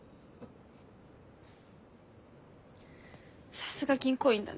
さすが銀行員だね。